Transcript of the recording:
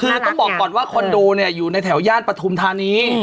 คือต้องบอกก่อนว่าคอนโดเนี่ยอยู่ในแถวย่านปฐุมธานี